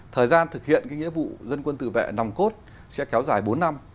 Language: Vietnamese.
thời gian thực hiện nghĩa vụ dân quân tự vệ nòng cốt sẽ kéo dài bốn năm